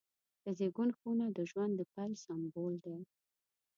د زیږون خونه د ژوند د پیل سمبول دی.